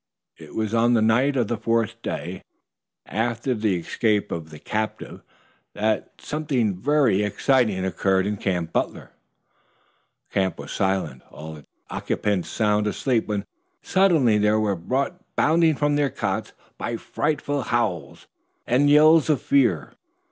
It was on the night of the fourth day after the escape of the captive that at something very exciting occurred in Camp Butler. The camp was silent, all its occupants sound asleep, when suddenly they were brought bounding from their cots by frightful howls and yells of fear.